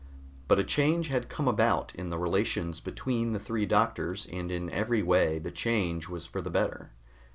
But a change had come about in the relations between the three doctors, and in every way the change was for the better.